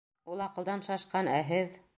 Ул аҡылдан шашҡан, ә һеҙ...